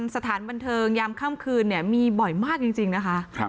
สถานบันเทิงยามค่ำคืนเนี่ยมีบ่อยมากจริงนะคะ